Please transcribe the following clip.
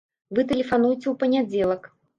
Вы тэлефануйце ў панядзелак.